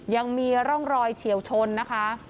ยังมีร่องรอยเฉียวชนนะคะ